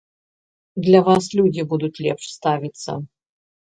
Да вас людзі будуць лепш ставіцца.